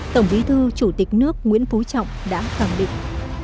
tổng bí thư chủ tịch nước nguyễn phú trọng đã khẳng định